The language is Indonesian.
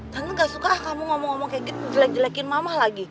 tante gak suka ah kamu ngomong ngomong kayak gitu jelek jelekin mama lagi